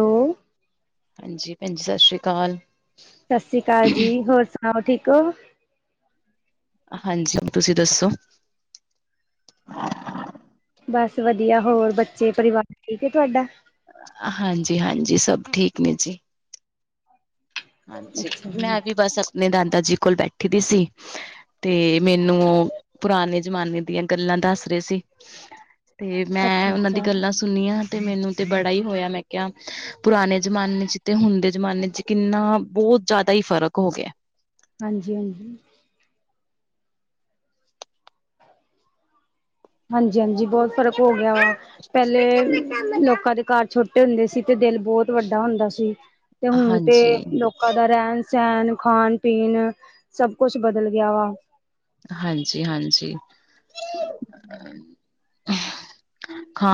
Hello ਹਾਂਜੀ ਭੈਣਜੀ, ਸਤਿ ਸ੍ਰੀ ਅਕਾਲ। ਸਤਿ ਸ਼੍ਰੀ ਅਕਾਲ ਜੀ, ਹੋਰ ਸੁਣਾਓ, ਠੀਕ ਓ? ਹਾਂਜੀ, ਤੁਸੀਂ ਦੱਸੋ? ਬਸ ਵਧੀਆ, ਹੋਰ ਬੱਚੇ, ਪਰਿਵਾਰ ਠੀਕ ਏ ਤੁਹਾਡਾ? ਹਾਂਜੀ-ਹਾਂਜੀ, ਸਭ ਠੀਕ ਨੇ ਜੀ। ਹਾਂਜੀ, ਅੱਛਾ ਜੀ ਮੈਂ ਵੀ ਬਸ ਆਪਣੇ ਦਾਦਾ ਜੀ ਕੋਲ ਬੈਠੀ ਦੀ ਸੀ। ਤੇ ਮੈਨੂੰ, ਉਹ ਪੁਰਾਣੇ ਜਮਾਨੇ ਦੀਆਂ ਗੱਲਾਂ ਦੱਸ ਰਹੇ ਸੀ। ਤੇ ਮੈਂ, ਅੱਛਾ ਉਹਨਾਂ ਦੀ ਅੱਛਾ ਗੱਲਾਂ ਸੁਣਨੀ ਆਂ, ਤੇ ਮੈਨੂੰ ਤੇ ਬੜਾ ਹੀ ਹੋਇਆ ਮੈਂ ਕਿਆ, ਪੁਰਾਣੇ ਜ਼ਮਾਨੇ'ਚ ਤੇ ਹੁਣ ਦੇ ਜ਼ਮਾਨੇ'ਚ ਕਿੰਨਾ ਬਹੁਤ ਜ਼ਿਆਦਾ ਈ ਫ਼ਰਕ ਹੋਗਿਆ। ਹਾਂਜੀ-ਹਾਂਜੀ। ਹਾਂਜੀ-ਹਾਂਜੀ ਬਹੁਤ ਫ਼ਰਕ ਹੋਗਿਆ ਵਾ, ਪਹਿਲੇ ਲੋਕਾ ਦੇ ਘਰ ਛੋਟੇ ਹੁੰਦੇ ਸੀ ਤੇ ਦਿਲ ਬਹੁਤ ਵੱਡਾ ਹੁੰਦਾ ਸੀ, ਤੇ ਹੁਣ ਤੇ ਹਾਂਜੀ ਲੋਕਾ ਦਾ ਰਹਿਣ-ਸਹਿਣ, ਖਾਣ-ਪੀਣ ਸਭ ਕੁਛ ਬਦਲ ਗਿਆ ਵਾ। ਹਾਂਜੀ-ਹਾਂਜੀ।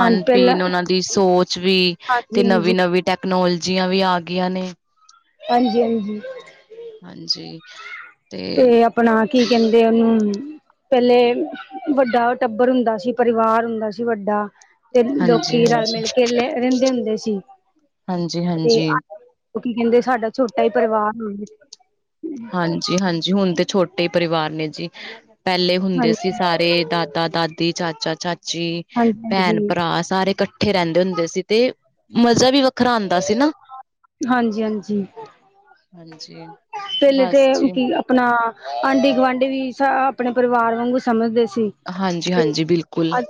ਹਾਂਜੀ ਪਹਿਲਾਂ ਉਹਨਾਂ ਦੀ ਸੋਚ ਵੀ, ਤੇ ਹਾਂਜੀ ਹਾਂਜੀ ਨਵੀ-ਨਵੀ ਟੈਕਨੋਲਜੀਆਂ ਵੀ ਆਗੀਆ ਨੇ। ਹਾਂਜੀ-ਹਾਂਜੀ। ਹਾਂਜੀ। ਤੇ ਅਪਣਾ, ਕੀ ਕਹਿੰਦੇ ਉਹਨੂੰ ਪਹਿਲੇ ਵੱਡਾ ਟੱਬਰ ਹੁੰਦਾ ਸੀ, ਪਰਿਵਾਰ ਹੁੰਦਾ ਸੀ ਵੱਡਾ। ਤੇ ਲੋਕੀ ਹਾਂਜੀ-ਹਾਂਜੀ, ਰਲ-ਮਿਲਕੇ ਲ, ਰਹਿੰਦੇ ਹੁੰਦੇ ਸੀ, ਤੇ ਹਾਂਜੀ-ਹਾਂਜੀ, ਉਹ ਕੀ ਕਹਿੰਦੇ, ਸਾਡਾ ਛੋਟਾ ਈ ਪਰਿਵਾਰ ਹੋ ਹਾਂਜੀ-ਹਾਂਜੀ, ਹੁਣ ਤੇ ਛੋਟੇ ਈ ਪਰਿਵਾਰ ਨੇ ਜੀ, ਪਹਿਲੇ ਹੁੰਦੇ ਹਾਂਜੀ ਸੀ ਸਾਰੇ ਦਾਦਾ ਦਾ ਦੀ, ਚਾਚਾ-ਚਾਚੀ, ਹਾਂਜੀ ਹਾਂਜੀ ਭੈਣ-ਭਰਾ ਸਾਰੇ ਇਕੱ ਇਕੱਠੇ ਰਹਿੰਦੇ ਹੁੰਦੇ ਸੀ ਤੇ, ਮਜ਼ਾ ਵੀ ਵੱਖਰਾ ਹੁੰਦਾ ਸੀ ਨਾ, ਹਾਂਜੀ ਹਾਂਜੀ ਹਾਂਜੀ। ਪਹਿਲੇ ਤੇ, ਬਸ ਜੀ ਕੀ ਆਪਣਾ ਆਂਢੀ-ਗੁਆਂਢੀ ਵੀ, ਸ ਆਪਣੇ ਪਰਿਵਾਰ ਵਾਂਗੂ ਸਮਝਦੇ ਸੀ। ਤੇ, ਹਾਂਜੀ-ਹਾਂਜੀ ਬਿਲਕੁਲ ਅੱਜ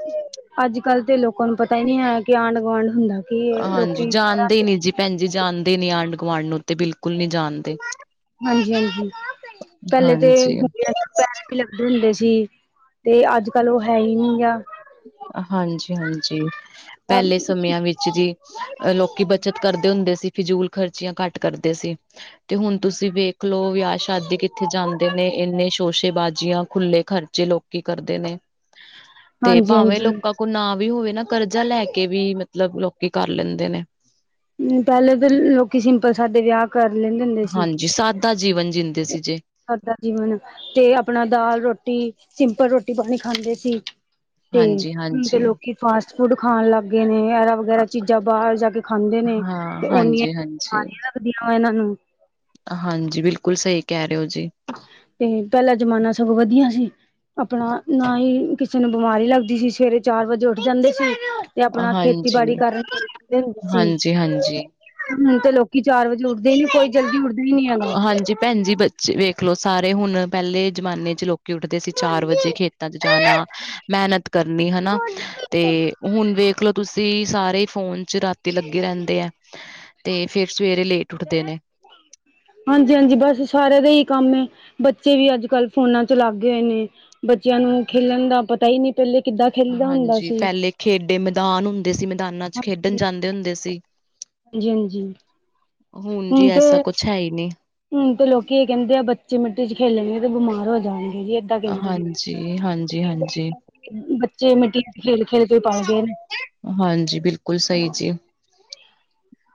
ਅੱਜ-ਕੱਲ ਤੇ ਲੋਕਾਂ ਨੂੰ ਪਤਾ ਈ ਨਹੀਂ ਹੈ ਕਿ, ਆਂਢ-ਗੁਆਂਢ ਹੁੰਦਾ ਕੀ ਹੈ। ਹਾਂਜੀ, ਲੋਕੀ ਸ਼ਹਿਰਾਂ ਜਾਣਦੇ ਈ ਤੇ ਨੀ ਜੀ ਭੈਣ ਜੀ, ਜਾਣਦੇ ਨੀ, ਆਂਢ-ਗੁਆਂਢ ਨੂੰ ਤੇ ਬਿਲ ਬਿਲਕੁਲ ਨੀ ਜਾਣਦੇ, ਹਾਂਜੀ-ਹਾਂਜੀ ਪਹਿਲੇ ਤੇ ਹਾਂਜੀ। ਗੁੰਡਿਆਂ ਦੇ ਪੈਰ ਵੀ ਲੱਗਦੇ ਹੁੰਦੇ ਸੀ, ਤੇ ਅੱਜ-ਕੱਲ ਉਹ ਹੈਹੀ ਨਹੀਂ ਗਾ। ਹਾਂਜੀ-ਹਾਂਜੀ, ਪਹਿਲੇ ਹਾਂਜੀ-ਹਾਂਜੀ। ਸਮਿਆਂ ਵਿ ਜੀ, ਅ ਲੋਕੀ ਬਚਤ ਕਰਦੇ ਹੁੰਦੇ ਸੀ, ਫਿਜ਼ੂਲ ਖ਼ਰਚੀਆਂ ਘੱਟ ਕਰਦੇ ਸੀ। ਤੇ ਹੁਣ ਤੁਸੀਂ ਵੇਖਲੋ, ਵਿਆਹ-ਸ਼ਾਦੀ ਕਿੱਥੇ ਜਾਂਦੇ ਨੇ ਇੰਨੇ ਸ਼ੋਸ਼ੇਬਾਜ਼ੀਆਂ, ਖੁੱਲੇ ਖਰਚੇ ਲੋਕ ਕੀ ਕਰਦੇ ਨੇ। ਤੇ ਭਾਵੇਂ ਲੋਕਾਂ ਕੋਲ ਨਾ ਵੀ ਹੋਵੇ ਨਾ ਕਰਜ਼ਾ ਲੈਕੇ ਵੀ, ਮਤਲਬ ਲੋਕੀ ਕਰ ਲੈਂਦੇ ਨੇ। ਪਹਿਲੇ ਤੇ ਲੋਕੀ, ਸਿੰਪਲ-ਸਾਦੇ ਵਿਆਹ ਕਰ ਲੈਂਦੇ ਹੁੰਦੇ ਸੀ। ਦਾ ਜੀਵਨ ਜੀਂਦੇ ਸੀ ਜੇ। ਸਾਦਾ ਜੀਵਨ, ਤੇ ਅਪਣਾ ਦਾਲ-ਰੋਟੀ, ਸਿੰਪਲ ਰੋਟੀ-ਪਾਣੀ ਖਾਂਦੇ ਸੀ। ਤੇ, ਹਾਂਜੀ ਹੁਣ ਤੇ ਹਾਂਜੀ ਲੋਕੀ ਫਾਸਟ-ਫੂਡ ਖਾਣ ਲੱਗ ਗਏ ਨੇ, ਐਰਾ-ਵਗੈਰਾ ਚੀਜ਼ਾਂ ਬਾਹਰ ਜਾਕੇ ਖਾਂਦੇ ਨੇ, ਹਾਂ ਤੇ ਉਨੀਆ ਹਾਂਜੀ ਹਾਂਜੀ ਦੀਆ ਇਹਨਾਂ ਨੂੰ। ਹਾਂਜੀ, ਬਿਲਕੁਲ ਸਈ ਕੈਅ ਰਏ ਓ ਜੀ। ਤੇ ਪੈਹਲਾਂ ਜਮਾਨਾ ਸਗੋਂ ਵਦੀਆ ਸੀ। ਆਪਣਾ ਨਾ ਈ ਕਿਸੇ ਨੂੰ ਬਿਮਾਰੀ ਲੱਗਦੀ ਸੀ। ਸਵੇਰੇ ਚਾਰ ਵਜੇ ਉੱਠ ਜਾਂਦੇ ਸੀ। ਤੇ ਆਪਣਾ ਖੇਤੀਬਾੜੀ ਹਾਂਜੀ, ਕਰਦੇ ਸੀ। ਹਾਂਜੀ, ਹਾਂਜੀ। ਹੁਣ ਤੇ ਲੋਕੀ ਚਾਰ ਵਜੇ ਉੱਠਦੇ ਈ ਨੀ ਕੋਈ ਜਲਦੀ ਉੱਡਦਾ ਈ ਨੀ ਹੈਗਾ। ਹਾਂਜੀ ਭੈਣ ਜੀ, ਬੱਚੇ ਵੇਖਲੋ ਸਾਰੇ ਹੁਣ ਪੈਹਲੇ ਜ਼ਮਾਨੇ ਚ ਲੋਕੀ। ਉੱਠਦੇ ਸੀ ਚਾਰ ਵਜੇ, ਖੇਤਾਂ ਚ ਜਾਨਾ, ਮੇਹਨਤ ਕਰਨੀ ਹੈਨਾ ਤੇ। ਹੁਣ ਵੇਖਲੋ ਤੁਸੀਂ ਸਾਰੇ ਈ ਫੋਨ ਚ ਰਾਤੀ ਲੱਗੇ ਰੈਹੰਦੇ ਐ। ਤੇ ਫੇਰ ਸਵੇਰੇ ਲੇਟ ਉਠਦੇ ਨੇ। ਹਾਂਜੀ-ਹਾਂਜੀ ਬਸ ਸਾਰੇ ਦਾ ਏਈ ਕੰਮ ਐ। ਬੱਚੇ ਵੀ ਅੱਜ-ਕੱਲ ਫੋਨਾਂ ਚ ਲਾੱਗੇ ਹੋਏ ਨੇ, ਬੱਚਿਆਂ ਨੂੰ ਖੇਲਣ ਦਾ ਪਤਾ ਈ ਨੀ। ਪੈਹਲੇ ਕਿੱਦਾਂ ਖੇਲੀਦਾ ਹੁੰਦਾ ਹਾਂਜੀ ਸੀ? ਪਹਿਲੇ ਖੇਡੇ ਮੈਦਾਨ ਹੁੰਦੇ ਸੀ, ਮੈਦਾਨਾਂ ਚ ਖੇਡਣ ਜਾਂਦੇ ਹੁੰਦੇ ਸੀ। ਹਾਂਜੀ-ਹਾਂਜੀ ਹੁਣ ਜੀ, ਐਸਾ ਕੁਛ ਹੈ ਈ ਨੀ। ਹੁਣ ਤੇ ਲੋਕੀ ਏਹ ਕੈਹੰਦੇ ਆ, ਬੱਚੇ ਮਿੱਟੀ ਚ ਖੇਲਣਗੇ ਤੇ ਬਿਮਾਰ ਹੋ ਜਾਣਗੇ ਜੀ। ਕਹਿੰਦੇ ਨੇ। ਹਾਂਜੀ, ਹਾਂਜੀ-ਹਾਂਜੀ। ਬੱਚੇ ਮਿੱਟੀ ਚ ਖੇਲ-ਖੇਲ ਕੇ ਪਲ ਗੇਨ। ਹਾਂਜੀ ਬਿਲਕੁਲ ਸਈ ਜੀ।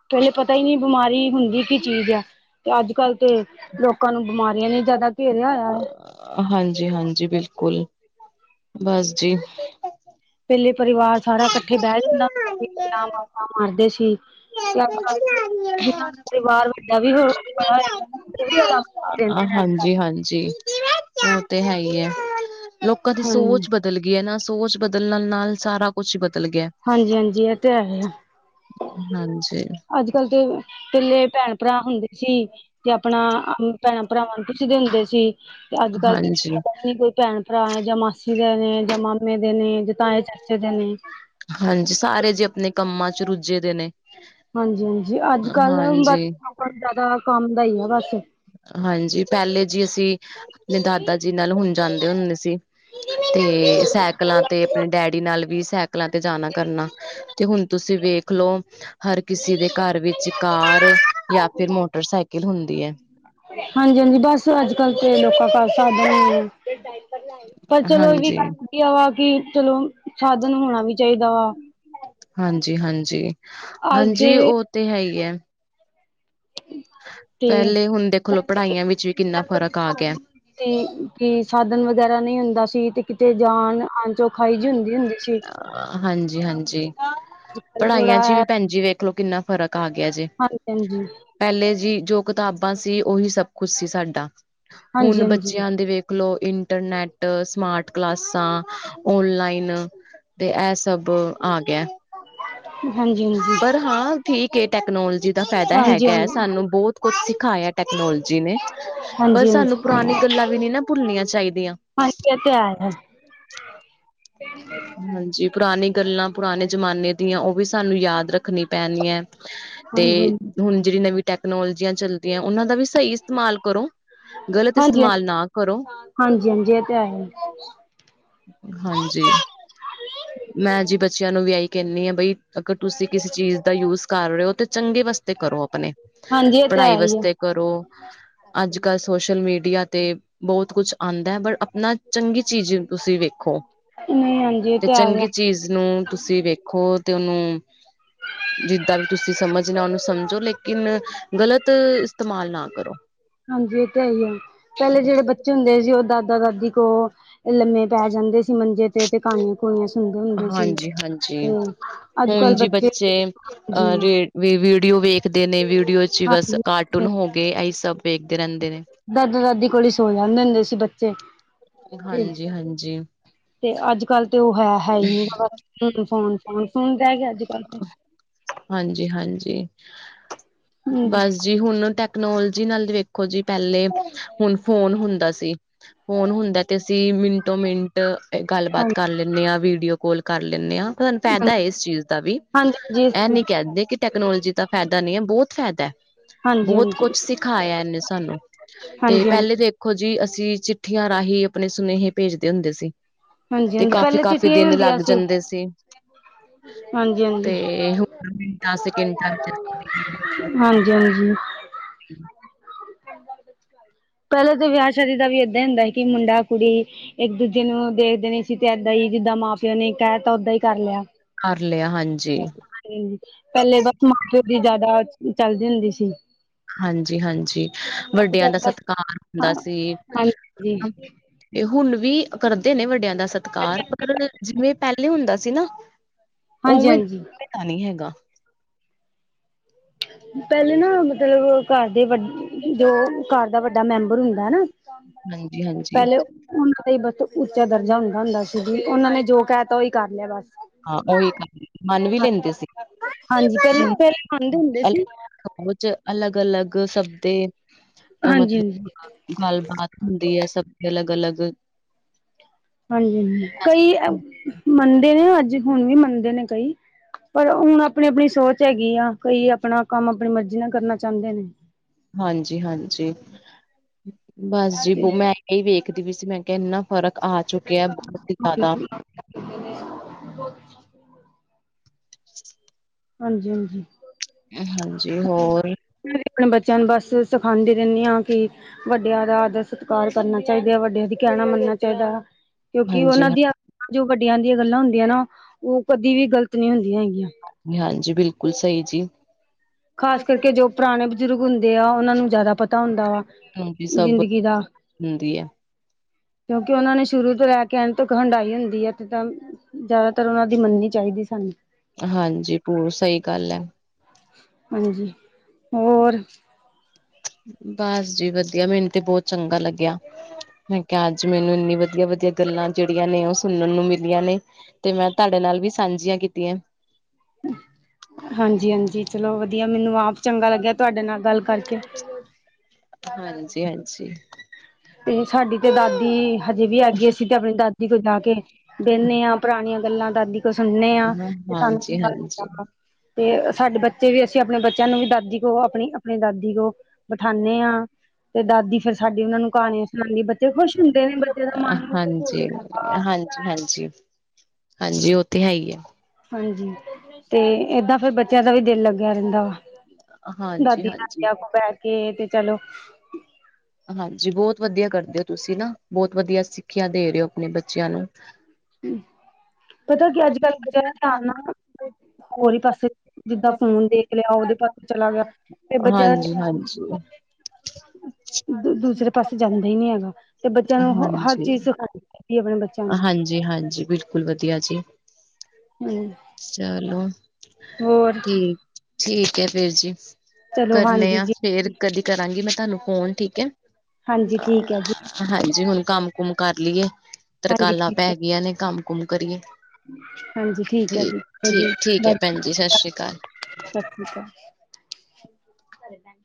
ਪੈਹਲੇ ਪਤਾ ਈ ਨੀ, ਬਿਮਾਰੀ ਹੁੰਦੀ ਕੀ ਚੀਜ਼ ਐ। ਤੇ ਅੱਜ-ਕੱਲ ਤੇ, ਲੋਕਾਂ ਨੂੰ ਬਿਮਾਰੀਆਂ ਨੇ ਜਆਦਾ ਘੇਰਿਆ ਹੋਇਆ ਐ। ਹਾਂਜੀ-ਹਾਂਜੀ ਬਿਲਕੁਲ, ਬਸ ਜੀ। ਪੈਹਲੇ ਪਰਿਵਾਰ ਸਾਰਾ ਇਕੱਠੇ ਬੈ ਨਾ, ਲਾਂ ਮਾਂ ਮਾਰਦੇ ਸੀ। ਤੇ ਅਜ-ਕਲ ਜੇ ਪਰਿਵਾਰ ਵੱਡਾ ਵੀ ਹੋ ਹੋਇਆ, ਓਹ ਵੀ ਅਲੱਗ ਰਹਿੰਦੇ ਨੇ ਅੱਜ ਕੱਲ ਹਾਂਜੀ-ਹਾਂਜੀ, ਓਹ ਤੇ ਹੈ ਈ ਐ, ਲੋਕਾਂ ਦੀ ਹਾਂਜੀ ਸੋਚ ਬਦ ਬਦਲ ਗਈ ਐਨਾ, ਸੋਚ ਬਦਲਣ ਨਾਲ, ਸਾਰਾ ਕੁਛ ਈ ਬਦਲ ਗੇਆ। ਹਾਂਜੀ-ਹਾਂਜੀ, ਏਹ ਤੇ ਹੈਐ। ਹਾਂਜੀ। ਅੱਜ-ਕਲ ਤੇ ਪੈਹਲੇ ਭੈਣ ਭਰਾ ਹੁੰਦੇ ਸੀ। ਤੇ ਆਪਣਾ ਭੈਣਾਂ-ਭਰਾਵਾਂ ਨੂੰ ਪੁੱਛਦੇ ਹੁੰਦੇ ਸੀ, ਤੇ ਅੱਜ ਕੱਲ ਹਾਂਜੀ ਪਤਾ ਵੀ ਨੀ ਕੋਈ ਭੈਣ ਭਰਾ ਜਾਂ ਮਾਸੀ ਦੇ ਨੇ, ਜਾਂ ਮਾਮੇ ਦੇ ਨੇ, ਜਾਂ ਤਾਏ-ਚਾਚੇ ਦੇ ਨੇ। ਹਾਂਜੀ, ਸਾਰੇ ਜੀ ਆਪਣੇ ਕੰਮਾਂ ਚ ਰੁੱਝੇ ਦੇ ਨੇ। ਹਾਂਜੀ-ਹਾਂਜੀ, ਅੱਜ-ਕੱਲ ਬਸ ਹਾਂਜੀ ਆਪ ਜ਼ਿਆਦਾ ਕੰਮ ਦਾ ਈ ਆ ਬਸ। ਹਾਂਜੀ, ਪੈਹਲੇ ਜੀ ਅਸੀਂ ਦਾਦਾ ਜੀ ਨਾਲ ਹੁਣ ਜਾਂਦੇ ਹੁੰਦੇ ਸੀ। ਤੇ ਸਾਈਕਲਾਂ ਤੇ ਆਪਣੇ ਡੈਡੀ ਨਾਲ ਵੀ ਸਾਈਕਲਾਂ ਤੇ ਜਾਣਾ ਕਰਨਾ। ਤੇ ਹੁਣ ਤੁਸੀਂ ਵੇਖ ਦੇਖਲੋ, ਹਰ ਕਿਸੇ ਦੇ ਘਰ ਵਿੱਚ ਕਾਰ ਯਾ ਫਿਰ ਮੋਟਰਸਾਈਕਲ ਹੁੰਦੀ ਐ। ਹਾਂਜੀ-ਹਾਂਜੀ, ਬਸ ਅੱਜ-ਕੱਲ ਤੇ ਲੋਕਾਂ ਘਾਰ ਸਾਬ ਪਰ ਚਲੋ, ਏਹ ਵੀ ਹਾਂਜੀ, ਕਰਦੀ ਆ ਵਾ ਕਿ ਚਲੋ ਸਾਧਨ ਹੋਣਾ ਵੀ ਚਾਹੀਦਾ ਵਾ। ਹਾਂਜੀ-ਹਾਂਜੀ, ਅੱਜ ਹਾਂਜੀ, ਦੇ ਓਹ ਤੇ ਹੈ ਈ ਐ। ਹੂੰ। ਪੈਹਲੇ ਹੁਣ ਦੇਖ ਲਵੋ, ਪੜ੍ਹਾਈਆਂ ਵਿੱਚ ਵੀ ਕਿੰਨਾ ਫ਼ਰਕ ਆ ਗੇਆ। ਤੇ ਕੀ ਸਾਧਨ ਵਗੈਰਾ ਨਈ ਹੁੰਦਾ ਸੀ ਤੇ ਕਿਤੇ ਜਾਨ-ਆਣ ਚੋ ਖਾਈ ਜਿ ਹੁੰਦੀ-ਹੁੰਦੀ ਸੀ। ਹਾਂਜੀ, ਹਾਂਜੀ, ਅੱਜ-ਕੱਲ ਥੋੜਾ ਪੜ੍ਹਾਈਆਂ ਚ ਵੀ ਭੈਣਜੀ ਵੇਖਲੋ, ਕਿੰਨਾ ਫ਼ਰਕ ਆ ਗਿਆ ਜੇ। ਹਾਂਜੀ-ਹਾਂਜੀ, ਪੈਹਲੇ ਜੀ ਜੋ, ਕਤਾਬਾਂ ਸੀ, ਉਹੀ ਸਭ ਕੁਛ ਸੀ ਸਾਡਾ। ਹੁਣ ਹਾਂਜੀ-ਹਾਂਜੀ, ਬੱਚਿਆਂ ਦੇ ਵੇਖ ਲੋ ਇੰਟਰਨੈਟ ਸਮਾਰਟ ਕਲਾਸਾਂ ਓਨਲਾਈਨ ਤੇ ਐ ਸਭ ਆ ਗਿਆ। ਹਾਂਜੀ, ਹਾਂਜੀ। ਪਰ ਹਾਂ, ਠੀਕ ਏ ਟੈਕਨੋਲੋਜੀ ਦਾ ਫਾਇਦਾ ਹੈਗਾ ਐ। ਹਾਂਜੀ-ਹਾਂਜੀ, ਸਾਨੂੰ ਬੋਤ ਕੁਛ ਸਿਖਾਇਆ ਟੈਕਨੋਲੋਜੀ ਨੇ। ਪਰ ਸਾਨੂੰ ਹਾਂਜੀ-ਹਾਂਜੀ, ਪੁਰਾਣੀ ਗੱਲਾਂ ਵੀ ਨਈ ਨਾਂ ਭੁੱਲਣੀਆਂ ਚਾਈਦੀਆਂ। ਏ ਤੇ ਏਇ। ਹਾਂਜੀ। ਪੁਰਾਣੀ ਗੱਲਾਂ, ਪੁਰਾਣੇ ਜਮਾਨੇ ਦੀਆਂ ਓ ਵੀ ਸਾਨੂੰ ਯਾਦ ਰੱਖਣੀ ਪੈਣੀ ਐ। ਤੇ ਹਾਂਜੀ-ਹਾਂਜੀ, ਹੁਣ ਜੇੜੀ ਨਵੀਂ ਟੈਕਨੋਲੋਜੀਆਂ ਚੱਲਦੀਆਂ। ਓਨਾਂ ਦਾ ਵੀ ਸਈ ਇਸਤੇਮਾਲ ਕਰੋ। ਗਲਤ ਹਾਂਜੀ-ਹਾਂਜੀ, ਇਸਤੇਮਾਲ ਨਾ ਕਰੋ। ਹਾਂਜੀ-ਹਾਂਜੀ ਇਹ ਤੇ ਹੈ। ਹੀ, ਹਾਂਜੀ। ਮੈਂ ਜੀ ਬੱਚਿਆਂ ਨੂੰ ਵੀ ਆਈ ਕੈਣੀ ਆ, ਬਈ ਅਗਰ ਤੁਸੀਂ ਕਿਸੇ ਚੀਜ਼ ਦਾ ਯੂਜ ਕਰ ਰੇ ਓ, ਤੇ ਚੰਗੇ ਵਾਸਤੇ ਕਰੋ ਅਪਣੇ, ਹਾਂਜੀ ਇਹ ਤੇ ਪੜ੍ਹਾਈ ਹੈ ਹੀ ਆ, ਵਸਤੇ ਕਰੋ। ਅੱਜ-ਕਲ ਸੋਸ਼ਲ ਮੀਡੀਆ ਤੇ ਬੋਤ ਕੁੱਛ ਆਂਦਾ ਐ। ਪਰ ਆਪਣਾ ਚੰਗੀ ਚੀਜ਼ ਤੁਸੀਂ ਵੇਖੋ। [inaudible] ਤੇ ਹੀ ਆ। ਚੰਗੀ ਚੀਜ਼ ਨੂੰ ਤੁਸੀਂ ਵੇਖੋ ਤੇ ਓਨੂੰ ਜਿੱਦਾਂ ਵੀ ਤੁਸੀਂ ਸਮਝਨਾਂ ਓਨੂੰ ਸਮਝੋ। ਲੇਕਿਨ ਗਲਤ ਹਾਂਜੀ ਏ ਤੇ ਹੈ ਈ ਐ ਪੈਲੇ ਜੇੜੇ ਬੱਚ ਹੁੰਦੇ ਸੀ, ਓ ਦਾਦਾ ਦਾਦੀ ਕੋ ਲੰਮੇ ਪੈ ਜਾਂਦੇ ਸੀ ਮੰਜੇ ਤੇ, ਤੇ ਕਾਣੀਆਂ ਕੂਨੀਆਂ ਸੁਣਦੇ ਹੁੰਦੇ ਸੀ। ਹਾਂਜੀ ਹਾਂਜੀ ਤੇ ਅੱਜ-ਕਲ ਬੱਚੇ, ਜੀ। ਵੀ ਵੀਡੀਓ ਵੇਖਦੇ ਨੇ, ਵੀਡੀਓ ਚ ਬਸ ਹਾਂਜੀ ਕਾਰਟੂਨ ਹੋ ਗੇ ਏਈ ਸਭ ਵੇਖਦੇ ਰੈਂਦੇ ਨੇ। ਦਾਦਾ, ਦਾਦੀ ਕੋਲ ਈ ਸੋ ਜਾਂਦੇ ਹੁੰਦੇ ਸੀ, ਬੱਚੇ। ਤੇ ਹਾਂਜੀ, ਹਾਂਜੀ। ਤੇ ਅੱਜ-ਕਲ ਤੇ ਓ ਹੈ ਹੈ ਈ ਨੀਂ। ਫੋਨ, ਫੋਨ ਫੂਨ ਰੈ ਗਿਆ ਅੱਜ-ਕਲ ਤੇ। ਹਾਂਜੀ ਹਾਂਜੀ, ਹਾਂਜੀ ਬਸ। ਜੀ ਹੁਣ ਟੈਕਨੋਲੋਜੀ ਨਾਲ ਵੇਖੋ ਜੀ। ਪੈਲੇ ਹੁਣ ਫੋਨ ਹੁੰਦਾ ਸੀ, ਫੋਨ ਹੁੰਦਾ ਤੇ ਅਸੀਂ ਮਿੰਟੋ-ਮਿੰਟ ਗੱਲਬਾਤ ਹਾਂਜੀ ਕਰ ਲੈਂਣੇ ਆਂ, ਵੀਡੀਓ ਕਾੱਲ ਕਰ ਲੈਣੇ ਆਂ। ਤਾਨੂੰ ਫੈਦਾ ਐ, ਇਸ ਚੀਜ਼ ਦਾ ਵੀ। ਹਾਂਜੀ ਹਾਂਜੀ ਐ ਨੀਂ ਕੈਂਦੇ ਕਿ ਟੈਕਨੋਲੋਜੀ ਦਾ ਫੈਦਾ ਨੀਂ ਐ, ਬੋਤ ਫੈਦਾ। ਹਾਂਜੀ ਹਾਂਜੀ ਬੋਹਤ ਕੁਛ ਸਿਖਾਇਆ ਇਨੇਂ ਸਾਨੂੰ। ਤੇ ਹਾਂਜੀ ਹਾਂਜੀ ਪੈਲੇ ਤੇ ਦੇਖੋ ਜੀ, ਅਸੀਂ ਚਿੱਠੀਆਂ ਰਾਹੀਂ ਆਪਣੇ ਸੁਨੇਹੇ ਭੇਜਦੇ ਹੁੰਦੇ ਸੀ। ਹਾਂਜੀ ਤੇ ਹਾਂਜੀ ਕਾਫੀ, ਪਹਿਲੇ ਕਾਫੀ ਚਿੱਠੀਆਂ ਹੀ ਦਿਨ ਹੁੰਦੀਆਂ ਲੱਗ ਜਾਂਦੇ ਸੀ। ਹਾਂਜੀ ਹਾਂਜੀ ਤੇ ਹੁਣ ਮਿੰਟਾਂ ਸਕਿੰਟਾਂ ਵਿੱਚ ਹਾਂਜੀ ਹਾਂਜੀ [unintelligible] ਠੀ ਪੈਲੇ ਤਾਂ ਵਿਆਹ ਸ਼ਾਦੀ ਦਾ ਵੀ ਏਦਾਂ ਈ ਹੁੰਦਾ ਸੀ ਕਿ ਮੁੰਡਾ ਕੁੜੀ ਇੱਕ ਦੂਜੇ ਨੂੰ ਦੇਖਦੇ ਨੀਂ ਸੀ ਤੇ ਏਦਾਂ ਈ ਜਿੱਦਾਂ ਮਾਂ-ਪਿਓ ਨੇ ਕੈਅ ਤਾਂ ਓਦਾਂ ਈ ਕਰ ਲਿਆ। ਕਰ ਲਿਆ, ਹਾਂਜੀ। ਪੈਲੇ ਬਸ, ਮਾਂ-ਪਿਓ ਦੀ ਜਿਆਦਾ ਚੱਲਦੀ ਹੁੰਦੀ ਸੀ। ਹਾਂਜੀ, ਹਾਂਜੀ। ਵੱਡਿਆਂ ਦਾ ਸਤਿਕਾਰ ਹਾਂ ਹੁੰਦਾ ਸੀ। ਹਾਂਜੀ [unintelligible] ਤੇ ਹੁਣ ਵੀ ਕਰਦੇ ਨੇ ਵੱਡਿਆਂ ਦਾ ਸਤਿਕਾਰ। ਪਰ ਜਿਵੇਂ ਪੈਲੇ ਹੁੰਦਾ ਸੀ ਨਾ ਹਾਂਜੀ ਓਵੇਂ, ਹਾਂਜੀ ਓਵੇ ਦਾ ਨ੍ਹੀਂ ਹੈਗਾ। ਹ ਪੈਲੇ ਨਾਂ ਮਤਲਬ, ਘਰ ਦੇ ਵਡ ਜੋ ਘਰ ਦਾ ਵੱਡਾ ਮੈਂਬਰ ਹੁੰਦਾ ਨਾ ਕੰਮ ਬੜਾ ਹੁੰਦਾ ਹਾਂਜੀ-ਹਾਂਜੀ ਪਹਿਲੇ ਹਾਂ ਓ ਉਹਨਾਂ ਦਾ ਈ ਬਸ ਉੱਚਾ ਦਰਜਾ ਹੁੰਦਾ ਹੁੰਦਾ ਸੀ ਜ ਉਹਨਾਂ ਨੇ ਜੋ ਕਹਿ ਤਾਂ ਉਹੀ ਕਰ ਲਿਆ ਬਸ ਹਾਂ ਉਹੀ ਗਾ ਮਨ ਵੀ ਲੈਂਦੇ ਸੀ ਹਾਂਜੀ ਪਹਿਲੇ ਪਹਿਲੇ ਮੰਨਦੇ ਹੁੰਦੇ ਸੀ ਕੁਝ ਐ ਅਲੱਗ ਅਲੱਗ ਸਭ ਤੇ ਏ ਹਾਂਜੀ ਹਾਂਜੀ ਗੱਲਬਾਤ ਹੁੰਦੀ ਐ ਸਭ ਤੇ ਅਲੱਗ ਅਲੱਗ ਹਾਂਜੀ ਹਾਂਜੀ ਕਈ ਮੰਨਦੇ ਨੇ ਅੱਜ ਹੁਣ ਵੀ ਮੰਨਦੇ ਨੇ ਕਈ ਪਰ ਉਣ ਆਪਣੀ ਆਪਣੀ ਸੋਚ ਹੈਗੀ ਆ ਕਈ ਆਪਣਾ ਕੰਮ ਆਪਣੀ ਮਰਜ਼ੀ ਨਾਲ ਕਰਨਾ ਚਾਹੁੰਦੇ ਨੇ ਹਾਂਜੀ ਹਾਂਜੀ ਬਸ ਜੀ ਤੇ ਬੋ ਮੈਂ ਇਹੀ ਵੇਖਦੀ ਪਈ ਸੀ ਮੈਂ ਕੇ ਇੰਨਾ ਫ਼ਰਕ ਆ ਚੁੱਕਿਆ ਬਹੁਤ ਹੀ ਤਾਆਦਾ ਹਾਂਜੀ ਹਾਂਜੀ ਹਾਂਜੀ ਹਾਂਜੀ ਹੋਰ ਆ ਮੈਂ ਵੀ ਆਪਣੇ ਬੱਚਿਆਂ ਨੂੰ ਬਸ ਸਿਖਾਦੀ ਰਹਿੰਣੀ ਈ ਕਿ ਵੱਡਿਆਂ ਦਾ ਆਦਰ ਸਤਿਕਾਰ ਕਰਨਾ ਚਾਹੀਦਾ ਹੈ ਵੱਡਿਆਂ ਦੀ ਕਹਿਣਾ ਮੰਨਣਾ ਚਾਹੀਦਾ ਆ ਕਿਉਂਕਿ ਉਹਨਾਂ ਦੀਆਂ ਜੋ ਵੱਡੀਆਂ ਦੀਆਂ ਗੱਲਾਂ ਹੁੰਦੀਆਂ ਨਾ ਉਹ ਕਦੀ ਵੀ ਗ਼ਲਤ ਨਹੀਂ ਹੁੰਦੀਆਂ ਹੈਗੀਆਂ ਹਾਂਜੀ ਹਾਂਜੀ ਬਿਲਕੁਲ ਸਹੀ ਜੀ ਖ਼ਾਸ ਕਰਕੇ ਜੋ ਪੁਰਾਣੇ ਬਜ਼ੁਰਗ ਹੁੰਦੇ ਆ ਉਹਨਾਂ ਨੂੰ ਜ਼ਿਆਦਾ ਪਤਾ ਹੁੰਦਾ ਵਾ ਹਾਂਜੀ ਸਭ ਜ਼ਿੰਦਗੀ ਦਾ ਹੁੰਦੀ ਹੈ ਕਿਉਂਕਿ ਉਹਨਾਂ ਨੇ ਸ਼ੁਰੂ ਤੋਂ ਲੈ ਕੇ ਕਹਿਣ ਤਕ ਹੰਡਾਈ ਹੁੰਦੀ ਆ ਤੇ ਚਲ ਜ਼ਿਆਦਾਤਰ ਉਹਨਾਂ ਦੀ ਮੰਨਨੀ ਚਾਹੀਦੀ ਸਾਨੂੰ ਹਾਂਜੀ ਬੂਤ ਸਹੀ ਗੱਲ ਐ ਹਾਂਜੀ ਔਰ ਬਸ ਜੀ ਵਧੀਆ ਮੈਨੂੰ 'ਤੇ ਬਹੁਤ ਚੰਗਾ ਲੱਗਿਆ ਮੈਂ ਕਿਹਾ ਅੱਜ ਮੈਨੂੰ ਇੰਨੀ ਵਧੀ ਵਧੀਆ-ਵਧੀਆ ਗੱਲਾਂ ਜਿਹੜੀਆਂ ਨੇ ਉਹ ਸੁਣਨ ਨੂੰ ਮਿਲੀਆਂ ਨੇ ਏ ਤੇ ਮੈਂ ਤਾਡੇ ਨਾਲ ਵੀ ਸਾਂਝੀਆਂ ਕੀਤੀ ਐਂ ਹੂ ਹਾਂਜੀ ਹਾਂਜੀ ਚਲੋ ਵਧੀਆ ਮੈਨੂੰ ਆਪ ਚੰਗਾ ਲੱਗਿਆ ਤੁਹਾਡੇ ਨਾਲ ਗੱਲ ਕਰਕੇ ਹਾਂਜੀ ਹਾਂਜੀ ਤੇ ਸਾਡੀ ਤੇ ਲਾਠੀ ਈ ਹਜੇ ਵੀ ਹੈਗੀ ਅਸੀਂ ਤੇ ਆਪਣੀ ਦਾਦੀ ਕੋ ਜਾ ਕੇ ਬਹਿੰਨੇ ਆਂ ਪੁਰਾਣੀਆਂ ਗੱਲਾਂ ਦਾਦੀ ਕੋ ਸੁਣਨੇ ਆਂ ਹਾਂਜੀ ਤੇ ਸਾਨੂੰ ਹਾਂਜੀ ਚੰਗਾ ਹਾਂਜੀ ਲਗਦਾ ਵਾ ਤੇ ਸਾਡੇ ਬੱਚੇ ਵੀ ਅਸੀਂ ਆਪਣੇ ਬੱਚਿਆਂ ਨੂੰ ਵੀ ਦਾਦੀ ਕੋ ਆਪਣੀ ਆਪਣੀ ਦਾਦੀ ਉ ਬਠਾਨੇ ਆਂ ਤੇ ਦਾਦੀ ਫੇਰ ਸਾਡੀ ਉਹਨਾਂ ਨੂੰ ਕਹਾਣੀਆਂ ਸੁਣਾਉਂਦੀ ਬੱਚੇ ਖੁਸ਼ ਹੁੰਦੇ ਨੇ ਬੱਚੇ ਦਾ ਮਨ ਹਾਂਜੀ ਹਾਂਜੀ ਹਾਂਜੀ ਹਾਂਜੀ ਉਹ ਤੇ ਹੈ ਈ ਐ ਹਾਂਜੀ ਤੇ ਏਦਾਂ ਫੇਰ ਬੱਚਿਆਂ ਦਾ ਵੀ ਦਿਲ ਲੱਗਿਆ ਰਹਿੰਦਾ ਵਾ ਹਾਂਜੀ ਦਾਦੀ ਹਾਂਜੀ ਨਾਕਿਆਂ ਕੋੋ ਬਹਿ ਕੇ ਤੇ ਚਲੋ ਹਾਂਜੀ ਬਹੁਤ ਵਧੀਆ ਕਰਦੇ ਓ ਤੁਸੀਂ ਨਾ ਬਹੁਤ ਵਧੀਆ ਸਿੱਖਿਆ ਦੇ ਰਹੇ ਓ ਆਪਣੇ ਬੱਚਿਆਂ ਨੂੰ ਹੂ ਆ ਜਦੋ ਕੋਈ ਅੱਜਕਲ ਬੱਚਿਆਂ ਦਾ ਧਿਆਨ ਨਾਲ ਦੇ ਹੋਰ ਈ ਪਾਸੇ ਜਿੱਦਾਂ ਫੋਨ ਦੇਖ ਲਿਆ ਉਹਦੇ ਪਾਸੇ ਚਲਾ ਗਿਆ ਫਿਰ ਬੱਚਿਆਂ ਦਾ ਹਾਂਜੀ ਹਾਂਜੀ ਧਿ ਦੂ ਦੂਸਰੇ ਪਾਸੇ ਜਾਂਦਾ ਈ ਨਹੀਂ ਹੈਗਾ ਤੇ ਬੱਚਿਆਂ ਨੂੰ ਹਰ ਚੀਜ਼ ਸਿਖਾਉ ਕੀ ਬਣੇ ਏ ਦਾ ਹਾਂਜੀ ਹਾਂਜੀ ਬਿਲਕੁਲ ਵਧੀਆ ਜੀ ਹੂ ਚਲੋ ਠੀਕ ਠੀਕ ਐ ਫੇਰ ਜੀ ਚਲੋ ਕਰਨੇ ਹਾਂਜੀ ਆਂ ਜੀ ਫੇਰ ਕਦੀ ਕਰਾਂਗੀ ਮੈਂ ਤੁਹਾਨੂੰ ਫੋਨ ਠੀਕ ਐ ਹਾਜੀ ਹਾਂਜੀ ਅ ਠੀਕ ਹੈ ਜੀ ਅ ਅ ਹਾਂਜੀ ਹੁਣ ਕੰਮ ਕੁਮ ਕਰ ਲੀਏ ਹਾਂਜੀ ਤਰਕਾਲਾਂ ਠੀਕ ਪੈ ਹੈ ਗਈਆਂ ਨੇ ਕੰਮ-ਕੁਮ ਕਰੀਏ। ਹਾਂਜੀ ਹੈ ਠੀਕ, ਜੀ ਜੀ ਠੀਕ ਠੀਕ ਹੈ ਭੈਣ ਜੀ ਸਤਿ ਸ੍ਰੀ ਅਕਾਲ। ਸਤਿ ਸ਼੍ਰੀ ਅਕਾਲ।